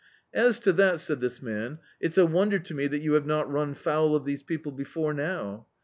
"As to that," said this man, "it's a wonder to me that you have not nin foul of these people before now.